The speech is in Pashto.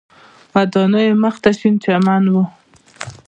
ودانیو مخ ته شین چمن و.